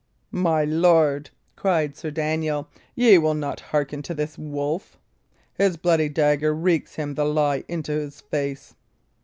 "My lord," cried Sir Daniel, "ye will not hearken to this wolf? His bloody dagger reeks him the lie into his face."